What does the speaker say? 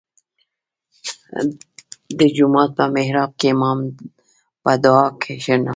• د جومات په محراب کې امام په دعا کښېناست.